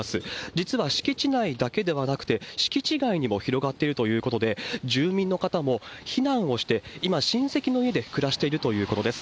実は敷地内だけではなくて、敷地外にも広がっているということで、住民の方も避難をして、今、親戚の家で暮らしているということです。